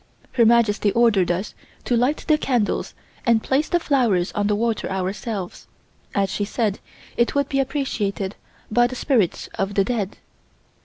Her Majesty ordered us to light the candles and place the flowers on the water ourselves, as she said it would be appreciated by the spirits of the dead.